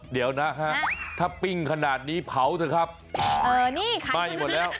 เดี๋ยวนะฮะถ้าปิ้งขนาดนี้เผาสิครับไม่หมดแล้ว